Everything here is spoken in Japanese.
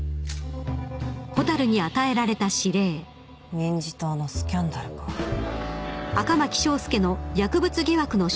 民事党のスキャンダルか礼。